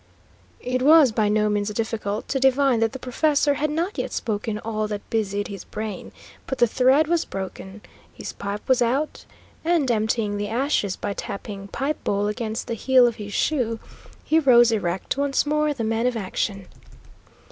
It was by no means difficult to divine that the professor had not yet spoken all that busied his brain, but the thread was broken, his pipe was out, and, emptying the ashes by tapping pipe bowl against the heel of his shoe, he rose erect, once more the man of action.